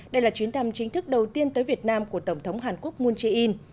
đây là chuyến thăm chính thức đầu tiên tới việt nam của tổng thống hàn quốc moon jae in